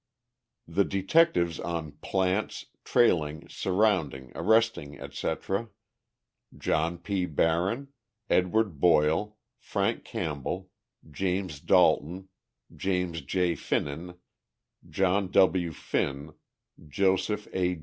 THE DETECTIVES on "Plants," "Trailing," "Surrounding," "Arresting," etc.: John P. Barron, Edward Boyle, Frank Campbell, James Dalton, James J. Finan, John W. Finn, Joseph A.